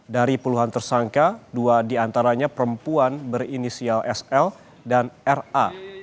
dari puluhan tersangka dua diantaranya perempuan berinisial sl dan ra